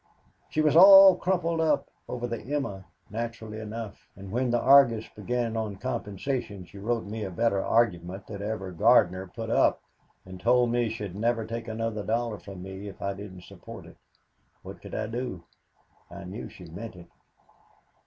She was all crumpled up over the 'Emma,' naturally enough and when the Argus began on compensation she wrote me a better argument than ever Gardner put up and told me she'd never take another dollar from me if I didn't support it. What could I do? I knew she meant it.